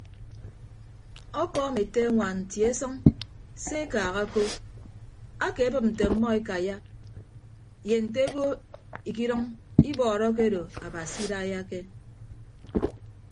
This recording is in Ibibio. Ọkọọm ete añwaan tie sʌñ se ekaaha ko akeebịp nte ọmmọ ekaiya ye nte ebo ikidʌñ ibọọrọ akedo abasi idaiyake.